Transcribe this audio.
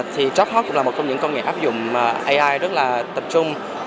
thì drophop là một trong những công nghệ áp dụng ai rất là tập trung